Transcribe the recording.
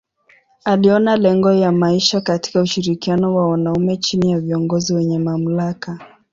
Aliona lengo ya maisha katika ushirikiano wa wanaume chini ya viongozi wenye mamlaka.